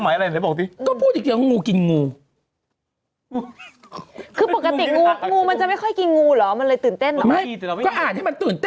ไม่รู้จะรู้สึกเหมือน